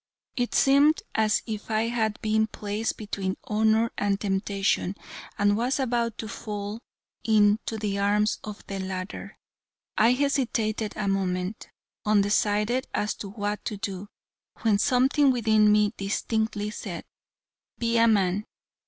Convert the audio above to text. It seemed as if I had been placed between honor and temptation, and was about to fall into the arms of the latter. I hesitated a moment, undecided as to what to do, when something within me distinctly said: "Be a man.